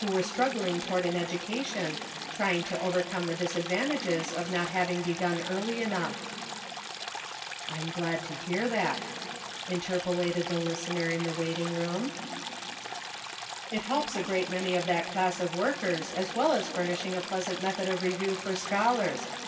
191 Were struggling toward an education, trying to overcome the disadvantages of not having begun early enough." " I'm glad to hear that," interpolated the listener in the waiting room. " It helps a great many of that class of workers, as well as furnishing a pleas ant method of review for scholars.